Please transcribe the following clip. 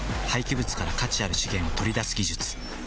廃棄物から価値ある資源を取り出す技術